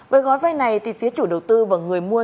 với gói vay này thì phía chủ đầu tư và người mua